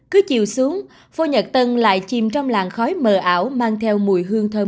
cứ chiều xuống phố nhật tân lại chìm trong làng khói mờ ảo mang theo mùi hương thơm